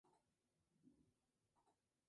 sin fin lucrativo son legales en nuestro país